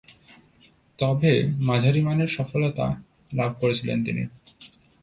তবে, মাঝারিমানের সফলতা লাভ করেছিলেন তিনি।